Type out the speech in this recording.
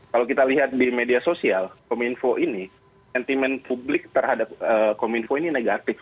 kalau kita lihat di media sosial kominfo ini sentimen publik terhadap kominfo ini negatif